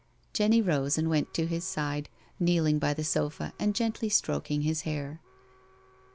Jenny rose and went to his side, kneeling by the sofa and gently stroking his hair.